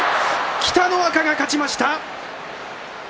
北の若が勝ちました。